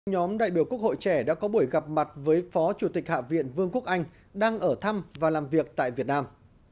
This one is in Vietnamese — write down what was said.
nhóm đại biểu quốc hội trẻ đã có buổi gặp mặt với phó chủ tịch hạ viện vương quốc anh đang ở thăm và làm việc tại việt nam